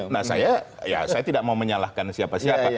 nah saya tidak mau menyalahkan siapa siapa